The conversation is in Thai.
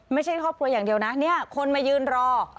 ไม่ใช่ครอบครัวอย่างเดียวนะเนี่ยคนมายืนรอ